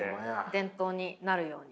伝統になるように。